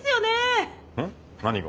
何が？